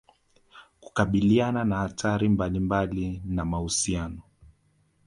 Kukabiliana na hatari mbalimbali na mahusiano